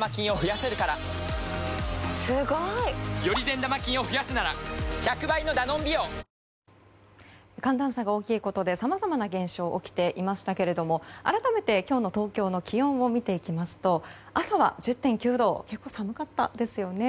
新商品もキッコーマン寒暖差が大きいことでさまざまな現象が起きていましたが改めて今日の東京の気温を見ていきますと朝は１０．９度やっぱり寒かったですよね。